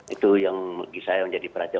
itu yang bagi saya menjadi perhatian